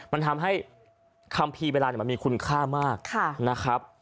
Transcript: มันทำให้คัมภีร์เวลามันมีคุณค่ามากนะครับ